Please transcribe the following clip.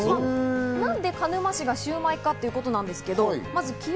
何で鹿沼市がシウマイかっていうことなんですけど崎陽